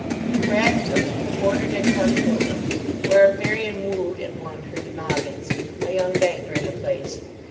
The Rathdrums were quartered at Pontydwdlm, where Marian wooed and won her De Mogyns, a young banker in the place.